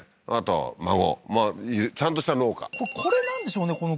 あと孫まあちゃんとした農家これなんでしょうね？